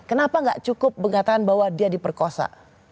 kenapa gak cukup mengatakan bahwa dia diperkosa